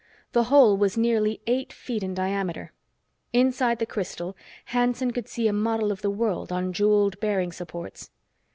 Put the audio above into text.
The whole was nearly eight feet in diameter. Inside the crystal, Hanson could see a model of the world on jeweled bearing supports.